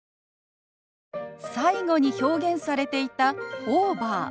最後に表現されていた「オーバー」。